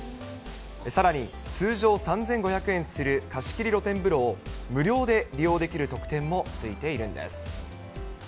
さらに、通常３５００円する貸し切り露天風呂を無料で利用できる特典もついているんです。